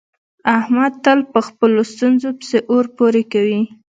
احمد تل په خپلو ستونزو پسې اور پورې کوي.